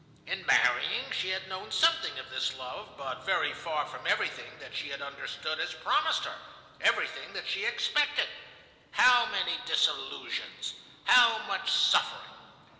In marrying, she had known something of this love, but very far from everything that she had understood as promised her, everything that she expected. How many disillusions! How much suffering!